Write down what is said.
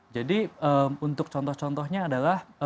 jadi untuk contoh contohnya adalah